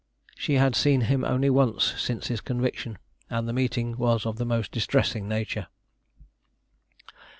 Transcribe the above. She had seen him only once since his conviction, and the meeting was of the most distressing nature.